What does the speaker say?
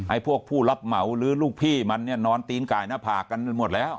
พวกผู้รับเหมาหรือลูกพี่มันเนี่ยนอนตีนไก่หน้าผากกันไปหมดแล้ว